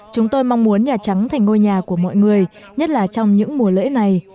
chúng tôi mong muốn nhà trắng thành ngôi nhà của mọi người nhất là trong những mùa lễ này